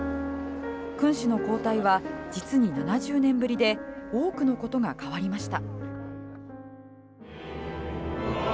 君主の交代は実に７０年ぶりで多くのことが変わりました。